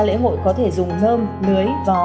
lễ hội có thể dùng nơm lưới vó